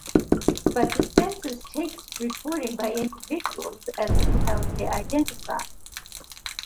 But, the Census takes reporting by individuals as to how they identify.